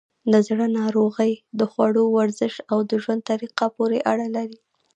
د زړه ناروغۍ د خوړو، ورزش، او ژوند طریقه پورې اړه لري.